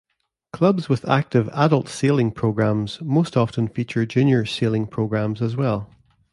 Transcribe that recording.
Clubs with active adult sailing programs most often feature junior sailing programs as well.